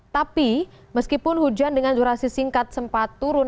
tapi meskipun hujan dengan durasi singkat sempat turun